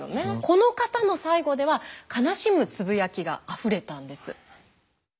この方の最期では悲しむつぶやきがあふれたんです。